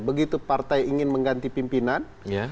begitu partai ingin mengganti pimpinan